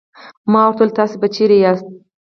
ما ورته وویل: تاسې به چیرې یاست؟